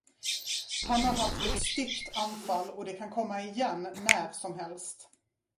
Han har haft ett styggt anfall, och det kan komma igen när som helst.